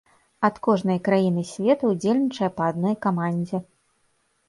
Ад кожнай краіны свету ўдзельнічае па адной камандзе.